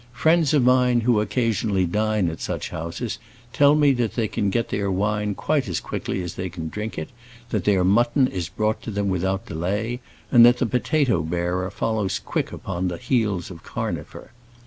Friends of mine who occasionally dine at such houses tell me that they get their wine quite as quickly as they can drink it, that their mutton is brought to them without delay, and that the potato bearer follows quick upon the heels of carnifer.